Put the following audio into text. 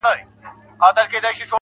د زړگي غوښي مي د شپې خوراك وي